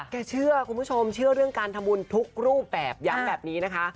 เชื่อคุณผู้ชมเชื่อเรื่องการทำบุญทุกรูปแบบย้ำแบบนี้นะคะ